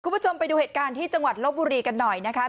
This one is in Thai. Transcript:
คุณผู้ชมไปดูเหตุการณ์ที่จังหวัดลบบุรีกันหน่อยนะคะ